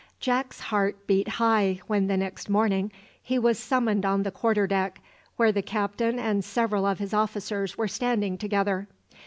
Jack's heart beat high when the next morning he was summoned on the quarter deck, where the captain and several of his officers were standing together.